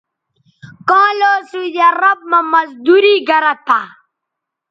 کاں لو سعودی عرب مہ مزدوری گرہ تھہ